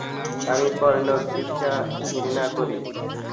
আমি পর্ণ ঘৃণা করি।